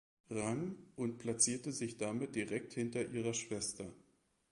Rang und platzierte sich damit direkt hinter ihrer Schwester.